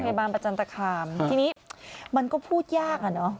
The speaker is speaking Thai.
พยาบาลประจันตคามทีนี้มันก็พูดยากอ่ะเนอะ